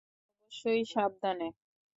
আর অবশ্যই সাবধানে।